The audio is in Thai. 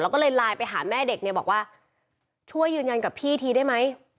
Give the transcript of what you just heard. แล้วก็เลยไลน์ไปหาแม่เด็กเนี่ยบอกว่าช่วยยืนยันกับพี่ทีได้ไหม